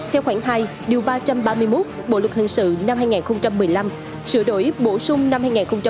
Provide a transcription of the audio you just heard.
theo khoảng hai ba trăm ba mươi một bộ luật hình sự năm hai nghìn một mươi năm sửa đổi bổ sung năm hai nghìn một mươi bảy